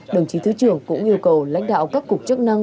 đồng chí thứ trưởng cũng yêu cầu lãnh đạo các cục chức năng